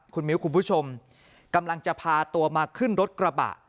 คุณมิ้วคุณผู้ชมกำลังจะพาตัวมาขึ้นรถกระบะ